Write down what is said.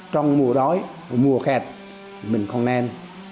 trong mùa đói mùa khẹt mình không nên